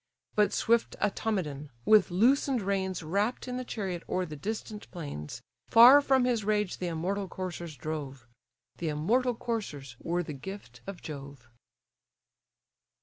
But swift Automedon with loosen'd reins Rapt in the chariot o'er the distant plains, Far from his rage the immortal coursers drove; The immortal coursers were the gift of Jove.